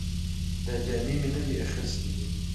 دا جامې مې نوې اخیستې دي